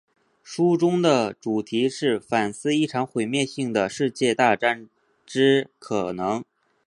书中的主题是反思一场毁灭性的世界大战之可能。